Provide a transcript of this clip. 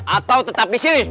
atau tetap disini